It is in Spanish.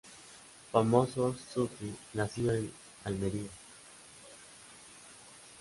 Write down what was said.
Famoso sufí nacido en Almería.